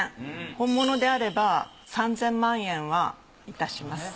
本物であれば３，０００万円はいたします。